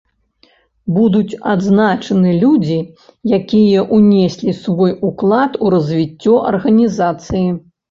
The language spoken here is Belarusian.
Будуць адзначаны людзі, якія ўнеслі свой уклад у развіццё арганізацыі.